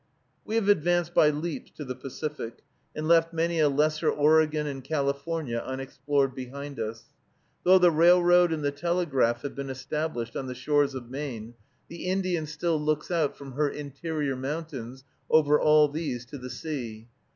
We have advanced by leaps to the Pacific, and left many a lesser Oregon and California unexplored behind us. Though the railroad and the telegraph have been established on the shores of Maine, the Indian still looks out from her interior mountains over all these to the sea.